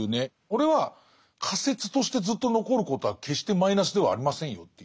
これは仮説としてずっと残ることは決してマイナスではありませんよという。